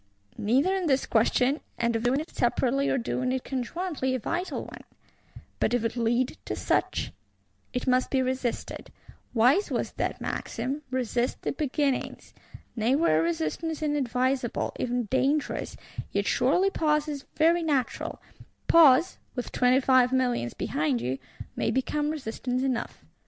Neither is this question, of doing it separately or doing it conjointly, a vital one: but if it lead to such? It must be resisted; wise was that maxim, Resist the beginnings! Nay were resistance unadvisable, even dangerous, yet surely pause is very natural: pause, with Twenty five Millions behind you, may become resistance enough.